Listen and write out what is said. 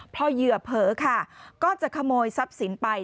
เพราะเหยื่อเผลอก็จะขโมยทรัพย์สินไป